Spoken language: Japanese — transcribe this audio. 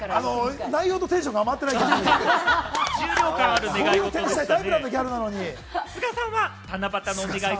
内容とテンションがあんまり合ってない。